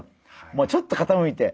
もうちょっとかたむいて。